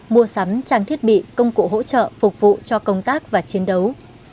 mua sắm trang thiết bị công cụ hỗ trợ phục vụ cho công tác và chiến đấu